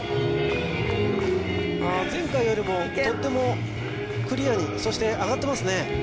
前回よりもとってもクリアにそして上がってますね